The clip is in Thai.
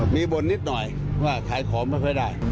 มีบ่นนิดหน่อยว่าขายของไม่ค่อยได้